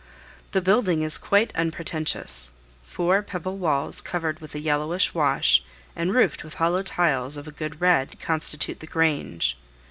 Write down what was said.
The building is quite unpretentious: four pebble walls covered with a yellowish wash, and roofed with hollow tiles of a good red, constitute the grange.